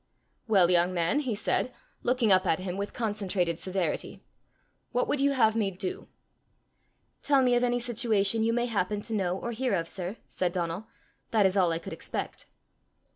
"Well, young man," he said, looking up at him with concentrated severity, "what would you have me do?" "Tell me of any situation you may happen to know or hear of, sir," said Donal. "That is all I could expect."